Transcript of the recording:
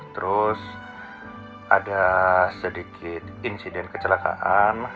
terus ada sedikit insiden kecelakaan